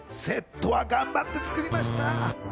セットは頑張って作りました。